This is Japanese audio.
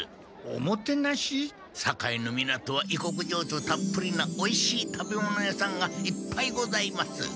堺の港は異国情緒たっぷりなおいしい食べ物屋さんがいっぱいございます。